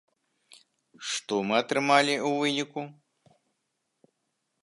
Што мы атрымалі ў выніку?